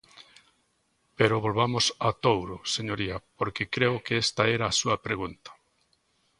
Pero volvamos a Touro, señoría, porque creo que esta era a súa pregunta.